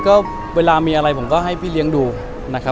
ก็เวลามีอะไรผมก็ให้พี่เลี้ยงดูนะครับ